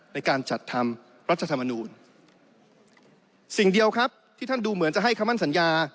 ในการจัดทำรัฐธรรมนูลสิ่งเดียวครับที่ท่านดูเหมือนจะให้คำมั่นสัญญา